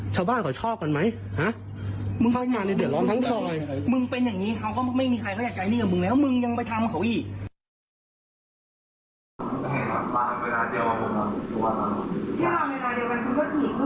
ถ้ามึงเป็นอย่างนี้เขาก็ไม่มีใครเขาอยากจะอยู่กับมึงแล้วมึงยังไปทำเขาอีก